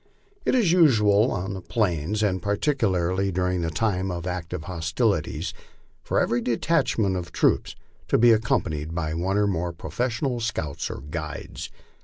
It is usual on the plains, and particu larly during time of active hostilities, for every detachment of troops to be accompanied by one or more professional scouts or guides.